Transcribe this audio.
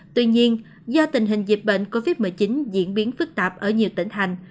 tuy nhiên do tình hình dịch bệnh covid một mươi chín diễn biến phức tạp ở nhiều tỉnh thành